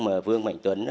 mà vương mệnh tuấn